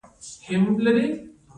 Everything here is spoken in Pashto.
روغتیا د چا حق دی؟